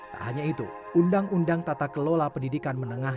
tak hanya itu undang undang tata kelola pendidikan menengah